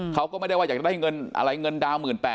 เขาก็ไม่ได้ว่าอยากได้เงินอะไรเงินดาว๑๘๐๐